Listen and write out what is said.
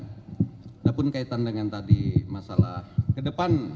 walaupun kaitan dengan tadi masalah kedepan